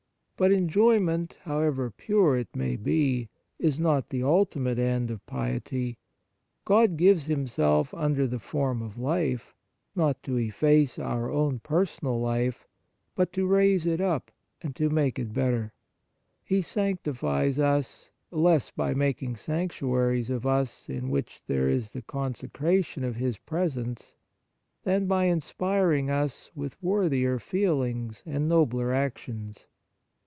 But enjoyment, however pure it may be, is not the ultimate end of piety. God gives Himself under the form of life, not to efface our own personal life, but to raise it up and to 123 On the Exercises of Piety make it better. He sanctifies us, less by making sanctuaries of us in which there is the consecration of His presence than by inspiring us with worthier feelings and nobler actions.